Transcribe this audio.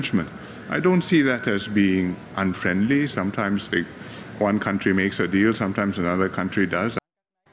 kadang kadang satu negara membuat perjanjian kadang kadang lain negara membuat